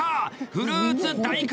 フルーツ大神